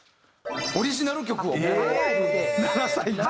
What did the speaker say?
オリジナル曲を７歳で。